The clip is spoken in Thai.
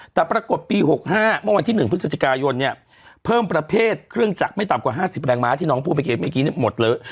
แต่ปรากฏปี๖๕เมื่อวันที่๑พฤศจิกายนเนี่ยเพิ่มประเภทเครื่องจักรไม่ต่ำกว่า๕๐แรงม้าที่น้องพูดเมื่อกี้หมดเลย